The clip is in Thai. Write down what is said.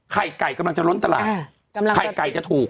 ไข่ไก่กำลังจะล้นตลาดไข่ไก่จะถูก